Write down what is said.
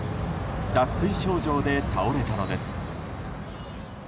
脱水症状で倒れたのです。